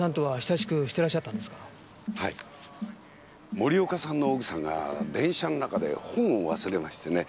森岡さんの奥さんが電車の中で本を忘れましてね。